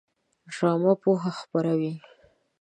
ډرامه پوهه خپروي